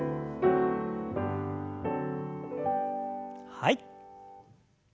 はい。